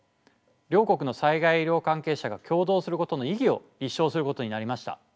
両国の災害医療関係者が協同することの意義を立証することになりました。